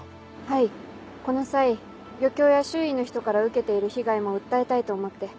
はいこの際漁協や周囲の人から受けている被害も訴えたいと思って。